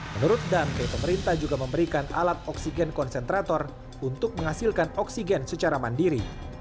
menurut dante pemerintah juga memberikan alat oksigen konsentrator untuk menghasilkan oksigen secara mandiri